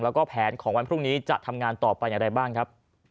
แล้วก็แผนของวันพรุ่งนี้จะทำงานต่อไปอย่างไรบ้างครับ